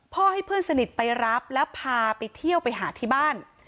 ให้เพื่อนสนิทไปรับแล้วพาไปเที่ยวไปหาที่บ้าน